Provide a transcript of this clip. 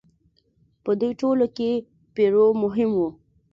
په دوی ټولو کې پیرو مهم و.